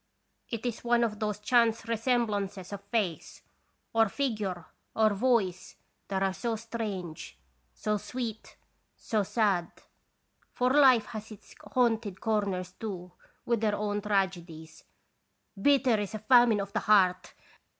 It is one of those chance resem blances of face, or figure, or voice, that are so strange so sweet so sad. For life has its haunted corners, too, with their own tragedies. Bitter is a famine of the heart